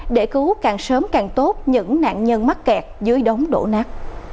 để cứu càng sớm càng tốt những nạn nhân mắc kẹt dưới đống đổ nát